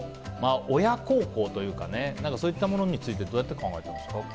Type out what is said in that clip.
親孝行というかそういったものについてどう考えていますか？